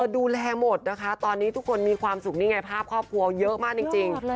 ดูแลหมดนะคะตอนนี้ทุกคนมีความสุขนี่ไงภาพครอบครัวเยอะมากจริง